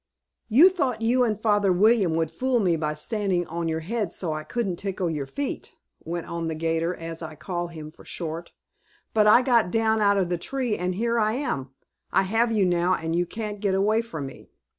"You thought you and Father William would fool me by standing on your heads so I couldn't tickle your feet," went on the 'gator, as I call him for short. "But I got down out of the tree, and here I am. I have you now and you can't get away from me!"